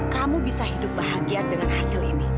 kamu bisa hidup bahagia dengan hasil ini